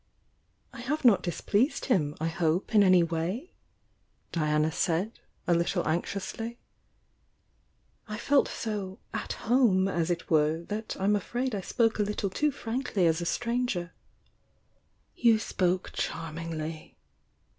"I have not displeased him, I hope, in any way?" Diana said, a little anxiously. "I felt so 'at home,' as it were, that I'm afraid I spoke a little too frankly as a stranger " "You spoke charmingly!"